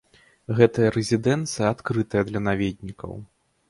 Гэтая рэзідэнцыя адкрытая для наведнікаў.